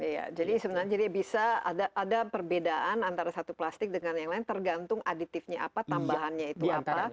iya jadi sebenarnya jadi bisa ada perbedaan antara satu plastik dengan yang lain tergantung aditifnya apa tambahannya itu apa